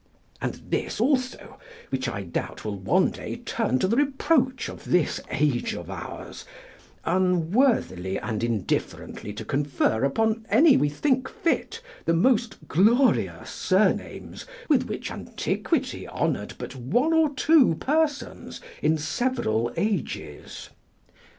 And this also, which I doubt will one day turn to the reproach of this age of ours, unworthily and indifferently to confer upon any we think fit the most glorious surnames with which antiquity honoured but one or two persons in several ages.